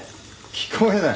聞こえない。